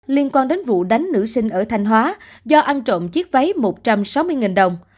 liên quan đến vụ đánh nữ sinh ở thanh hóa do ăn trộm chiếc váy một trăm sáu mươi đồng